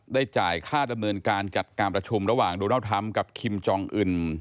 จ่ายค่าดำเนินการจัดการประชุมระหว่างโดนัลดทรัมป์กับคิมจองอื่น